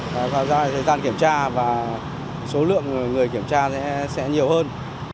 có thời gian kiểm tra và số lượng người kiểm tra sẽ nhiều hơn